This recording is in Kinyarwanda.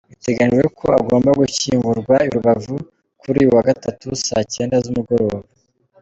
Biteganijwe ko agomba gushyingurwa i Rubavu kuri uyu wa Gatatu saa kenda z’umugoroba.